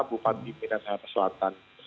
bupati minas sakit selatan